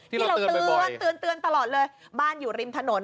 ที่เราเตือนบ่อยที่เราเตือนตลอดเลยบ้านอยู่ริมถนน